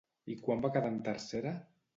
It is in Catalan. I quan va quedar en tercera?